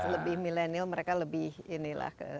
lebih milenial mereka lebih